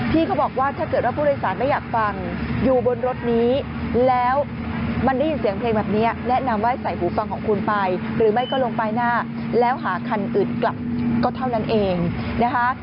เขาบอกว่าถ้าเกิดว่าผู้โดยสารไม่อยากฟังอยู่บนรถนี้แล้วมันได้ยินเสียงเพลงแบบนี้แนะนำว่าใส่หูฟังของคุณไปหรือไม่ก็ลงป้ายหน้าแล้วหาคันอื่นกลับก็เท่านั้นเองนะคะ